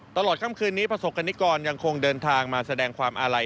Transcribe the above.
ตลอดค่ำคืนนี้ประสบกรณิกรยังคงเดินทางมาแสดงความอาลัย